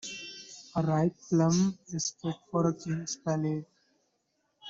A ripe plum is fit for a king's palate.